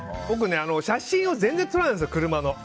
僕、写真を全然撮らないんですよ。